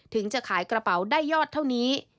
ถึงจะขายกระเป๋าได้ยอดเท่านี้